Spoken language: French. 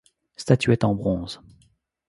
Statuette en bronze.